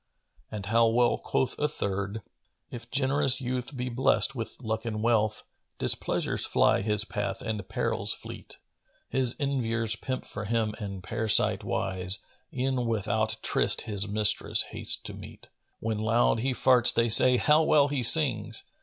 And how well quoth a third, "If generous youth be blessed with luck and wealth, * Displeasures fly his path and perils fleet: His enviers pimp for him and par'site wise * E'en without tryst his mistress hastes to meet. When loud he farts they say 'How well he sings!'